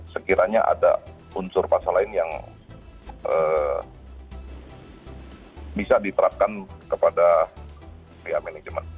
sekiranya ada unsur pasal lain yang bisa diterapkan kepada pihak manajemen